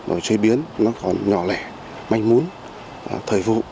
rồi chế biến nó còn nhỏ lẻ manh mún thời vụ